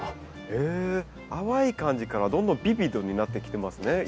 え淡い感じからどんどんビビッドになってきてますね。